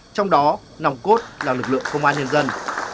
trong đó nòng cốt là lực lượng công an nhân dân